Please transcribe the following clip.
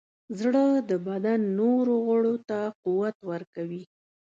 زړه د بدن نورو غړو ته قوت ورکوي.